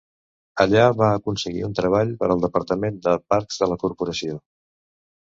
Allà, va aconseguir un treball per al Departament de Parcs de la Corporació.